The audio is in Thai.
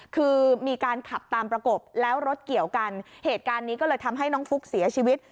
คือมีการขับตามประกบแล้วรถเกี่ยวกันเหตุการณ์นี้ก็เลยทำให้น้องฟุ๊กเสียชีวิต